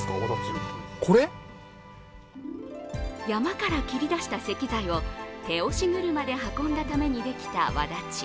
山から切り出した石材を手押し車で運んだためにできたわだち。